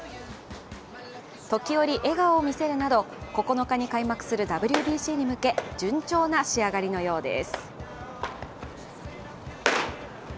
時折、笑顔を見せるなど９日に開幕するＷＢＣに向け順調な仕上がりのようです。